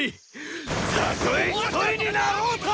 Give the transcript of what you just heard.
たとえ一人になろうとも！